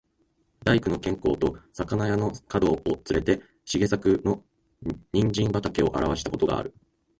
大工の兼公と肴屋の角をつれて、茂作の人参畠をあらした事がある。